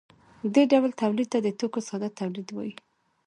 دې ډول تولید ته د توکو ساده تولید وايي.